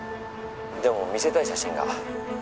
でも見せたい写真が。